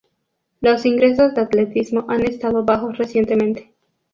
Los ingresos de Atletismo han estado bajos recientemente.